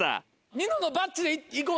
ニノのバッジで行こう。